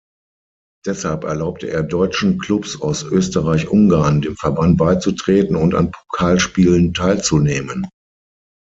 Deshalb erlaubte er deutschen Clubs aus Österreich-Ungarn, dem Verband beizutreten und an Pokalspielen teilzunehmen.